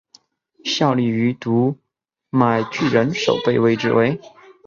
效力于读卖巨人守备位置为。